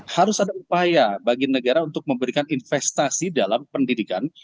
harus ada upaya bagi negara untuk memberikan investasi dalam pendidikan